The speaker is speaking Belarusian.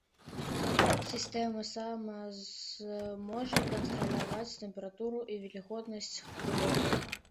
Сістэма сама зможа кантраляваць тэмпературу і вільготнасць глебы.